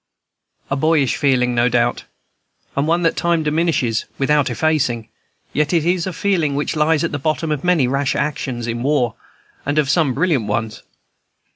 A boyish feeling, no doubt, and one that time diminishes, without effacing; yet it is a feeling which lies at the bottom of many rash actions in war, and of some brilliant ones.